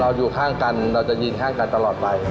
อยู่ข้างกันเราจะยืนข้างกันตลอดไป